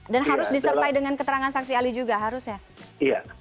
dan harus disertai dengan keterangan saksi ali juga harus ya